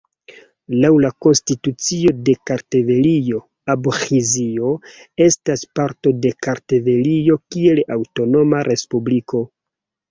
Laŭ la konstitucio de Kartvelio, Abĥazio estas parto de Kartvelio kiel aŭtonoma respubliko.